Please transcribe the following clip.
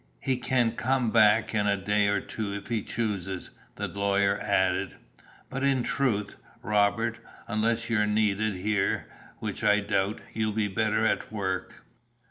"He can come back in a day or two if he chooses," the lawyer added, "but in truth, Robert, unless you're needed here, which I doubt, you'll be better at work.